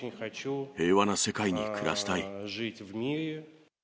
平和な世界に暮らしたい。